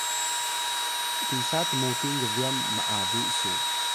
Pasang: pisa tmuting gbyan m’abi su?